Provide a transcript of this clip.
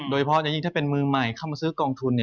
โดยเฉพาะอย่างยิ่งถ้าเป็นมือใหม่เข้ามาซื้อกองทุน